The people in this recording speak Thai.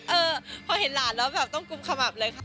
เออพอเห็นหลานแล้วแบบต้องกุมขมับเลยค่ะ